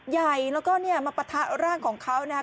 ใหญ่แล้วก็เนี่ยมาปะทะร่างของเขานะครับ